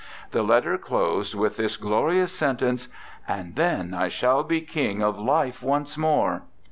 The letter closed with this glorious sen tence "And then I shall be King of Life once more!"